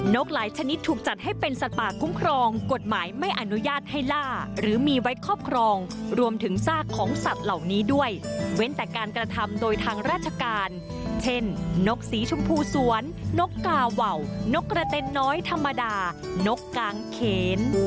กหลายชนิดถูกจัดให้เป็นสัตว์ป่าคุ้มครองกฎหมายไม่อนุญาตให้ล่าหรือมีไว้ครอบครองรวมถึงซากของสัตว์เหล่านี้ด้วยเว้นแต่การกระทำโดยทางราชการเช่นนกสีชมพูสวนนกกาเหว่านกกระเต็นน้อยธรรมดานกกางเขน